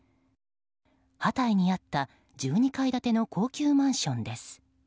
ハタイにあった１２階建ての高級マンションです。